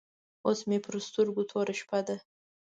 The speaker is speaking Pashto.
اوس مې پر سترګو توره شپه ده.